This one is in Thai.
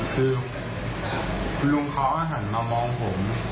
คือคุณลุงเขาหันมามองผม